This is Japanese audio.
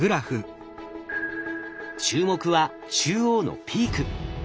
注目は中央のピーク。